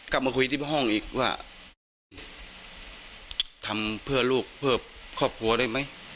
กลับมาคุยที่ห้องอีกว่าทำเพื่อลูกเพื่อครอบครัวได้ไหม